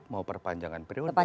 mau perpanjangan periode